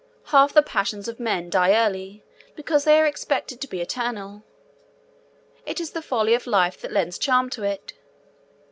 Half the passions of men die early, because they are expected to be eternal. It is the folly of life that lends charm to it.